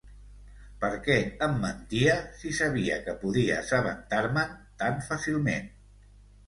Per què em mentia si sabia que podia assabentar-me'n tan fàcilment?